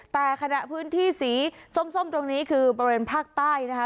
แต่ขณะพื้นที่สีส้มตรงนี้คือบริเวณภาคใต้นะคะ